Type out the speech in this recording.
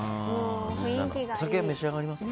お酒、召し上がりますか？